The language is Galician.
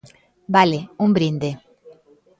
Vale, un brinde!